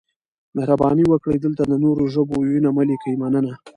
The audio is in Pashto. مهرباني وکړئ دلته د نورو ژبو وييونه مه لیکئ مننه